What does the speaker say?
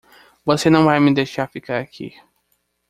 Você não vai me deixar ficar aqui.